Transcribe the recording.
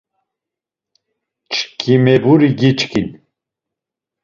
Çkimeburi giçkin.